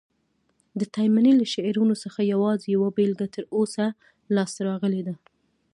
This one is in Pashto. د تایمني له شعرونو څخه یوازي یوه بیلګه تر اوسه لاسته راغلې ده.